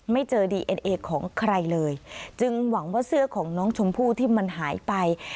ไม่เจอดีเอ็นเอของใครเลยจึงหวังว่าเสื้อของน้องชมพู่ที่มันหายไป